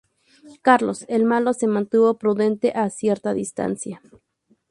Carlos el Malo se mantuvo prudentemente a cierta distancia.